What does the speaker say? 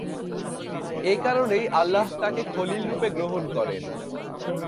এ কারণেই আল্লাহ তাঁকে খলীল রূপে গ্রহণ করেন।